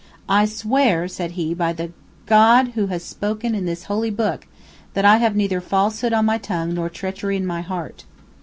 "I swear," said he, "by the God who has spoken in this holy book, that I have neither falsehood on my tongue, nor treachery in my heart."